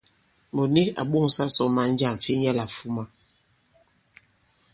Mùt nik à ɓo᷇ŋsa sɔ maŋ jâm fi nyɛlà fuma.